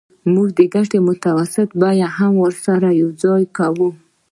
موږ د ګټې متوسطه بیه هم ورسره یوځای کوو